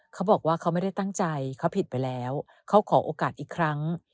เขาบอกว่าเขาไม่ได้ตั้งใจเขาผิดไปแล้วเขาขอโอกาสอีกครั้ง